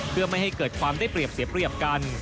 เพื่อไม่ให้เกิดความได้เปรียบเสียเปรียบกัน